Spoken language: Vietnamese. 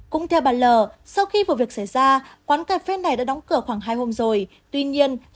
cũng theo bà l sau khi vụ việc xảy ra quán cà phê này đã đóng cửa khoảng hai hôm rồi tuy nhiên lại mở bán lại bình thường